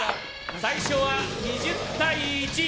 最初は２０対１。